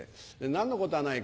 何のことはない